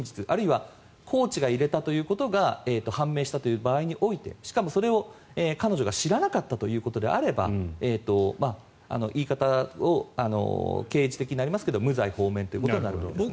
あるいはコーチが入れたということが判明したという場合においてしかもそれを彼女が知らなかったということであれば言い方を刑事的になりますが無罪放免となります。